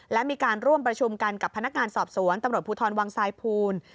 และมีการร่วมประชุมกันกับพนักงานสอบสวนตำรวจภูทรวังสายภูล